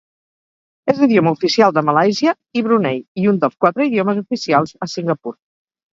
És l'idioma oficial de Malàisia i Brunei, i un dels quatre idiomes oficials a Singapur.